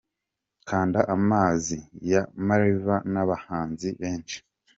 Kanda Amazi ya Ma-Riva n’abahanzi benshi:.